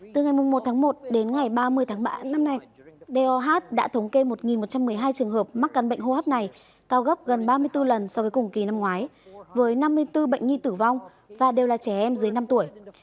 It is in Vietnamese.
từ ngày một tháng một đến ngày ba mươi tháng ba năm nay doh đã thống kê một một trăm một mươi hai trường hợp mắc căn bệnh hô hấp này cao gấp gần ba mươi bốn lần so với cùng kỳ năm ngoái với năm mươi bốn bệnh nghi tử vong và đều là trẻ em dưới năm tuổi